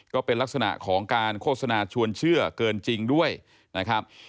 ก็เป็นลักษณะของการโฆษณาชวนเชื่อเกินจริงด้วยนะครับ